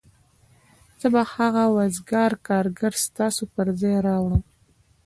زه به هغه وزګار کارګر ستاسو پر ځای راوړم